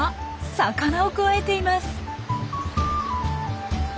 魚をくわえています。